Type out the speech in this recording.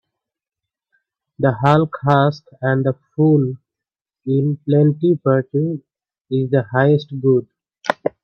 The hull husk and the full in plenty Virtue is the highest good